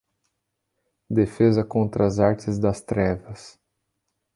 Defesa Contra as Artes das Trevas